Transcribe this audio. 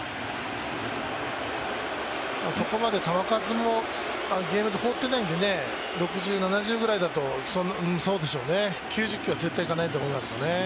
そこまで球数もほうってないんでね、６０、７０ぐらいだとそうでしょうね、９０球は絶対いかないと思うのでね。